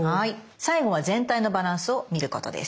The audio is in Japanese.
最後は全体のバランスを見ることです。